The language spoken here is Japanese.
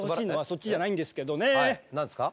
何ですか？